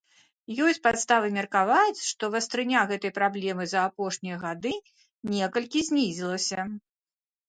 Ёсць падставы меркаваць, што вастрыня гэтай праблемы за апошнія гады некалькі знізілася.